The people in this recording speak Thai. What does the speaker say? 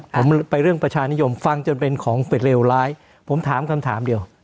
ผมไปเรื่องประชานิยมฟังจนเป็นของเป็ดเลวร้ายผมถามคำถามเดียว